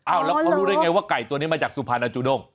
แล้วเขารู้ได้ไงว่าไก่ตัวนี้มาจากสุพรรณาจูดง